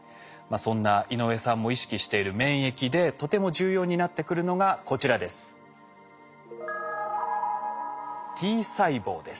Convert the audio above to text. そんな井上さんも意識している免疫でとても重要になってくるのがこちらです。